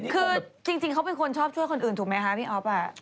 คือจริงเขาเป็นคนชอบช่วยคนอื่นถูกไหมคะพี่อ๊อฟ